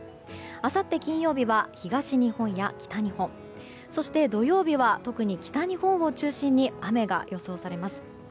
明後日金曜日は東日本や北日本そして土曜日は特に北日本を中心に雨が予想されます。